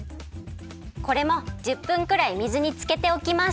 これも１０分くらい水につけておきます。